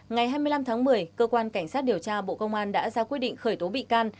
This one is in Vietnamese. ngày hai mươi năm tháng một mươi cơ quan cảnh sát điều tra bộ công an đã ra quyết định khởi tố bị can